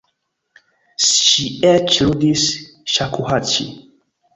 Ŝi eĉ ludis ŝakuhaĉi.